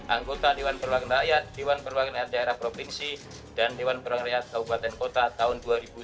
anggota dewan perwakilan rakyat dewan perwakilan rakyat daerah provinsi dan dewan perwakilan rakyat kabupaten kota tahun dua ribu sembilan belas